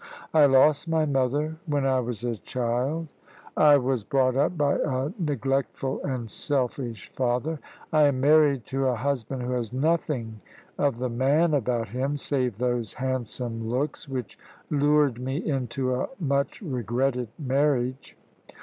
I lost my mother when I was a child; I was brought up by a neglectful and selfish father; I am married to a husband who has nothing of the man about him, save those handsome looks, which lured me into a much regretted marriage.